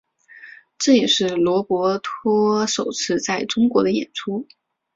这也是罗伯托首次在中国的演出。